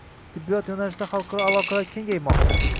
Tibbiyot yo‘nalishida xalqaro aloqalar kengaymoqda